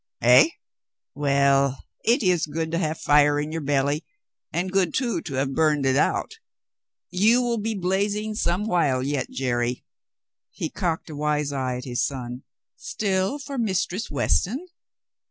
"Eh, well, it is good to have fire in your belly, and good, too, to have burned it out. You will be blazing some while yet, Jerry." He cocked a wise eye at his son. "Still for Mistress Weston